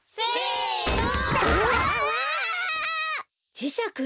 じしゃく！